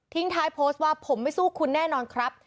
ท้ายโพสต์ว่าผมไม่สู้คุณแน่นอนครับ